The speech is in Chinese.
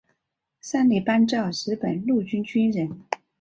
山梨半造日本陆军军人。